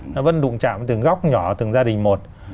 nó vẫn đụng chạm từng góc nhỏ từng gia đình một